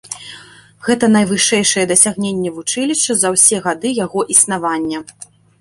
Гэта найвышэйшае дасягненне вучылішча за ўсе гады яго існавання.